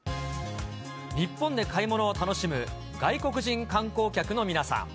日本で買い物を楽しむ外国人観光客の皆さん。